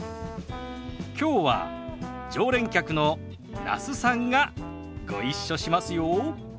きょうは常連客の那須さんがご一緒しますよ。